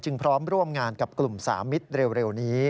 พร้อมร่วมงานกับกลุ่มสามิตรเร็วนี้